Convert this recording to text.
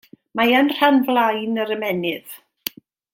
Mae yn rhan flaen yr ymennydd.